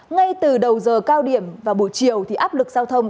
ngay từ đầu giờ cao điểm và buổi chiều thì áp lực giao thông